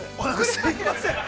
◆すいません。